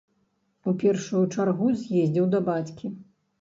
У першую чаргу з'ездзіў да бацькі.